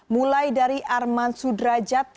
mulai dari arman sudrajat